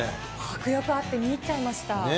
迫力あって見ちゃいました。